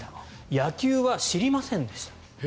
野球は知りませんでした。